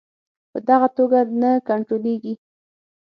په دغه توګه نه کنټرولیږي.